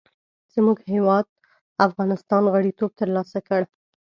زموږ هېواد افغانستان غړیتوب تر لاسه کړ.